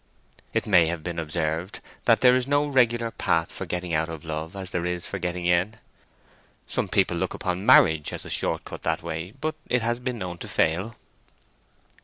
It may have been observed that there is no regular path for getting out of love as there is for getting in. Some people look upon marriage as a short cut that way, but it has been known to fail.